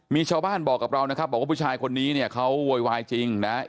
มีชาวบ้านบอกกับเรานะครับบอกว่าผู้ชายคนนี้เนี่ยเขาโวยวายจริงนะ